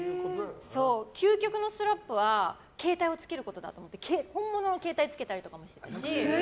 究極のストラップは携帯をつけることだと思って本物の携帯をつけたりもしてたし。